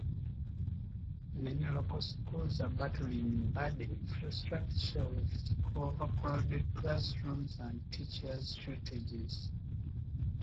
Many local schools are battling in bad infrastructure with overcrowded classrooms and teachers shortages.